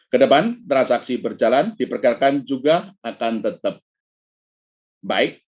kedepan transaksi berjalan diperkirakan juga akan tetap baik